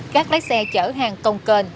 các lái xe chở hàng công cền